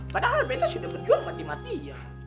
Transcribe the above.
padahal beta sudah berjuang mati matian